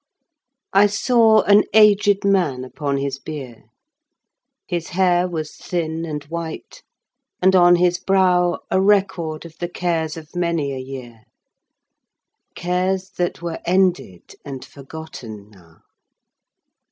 I saw an aged man upon his bier, His hair was thin and white, and on his brow A record of the cares of many a year; Cares that were ended and forgotten now.